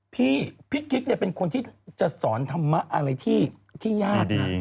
พี่พี่กิ๊กเนี่ยเป็นคนที่จะสอนธรรมะอะไรที่ยากนะ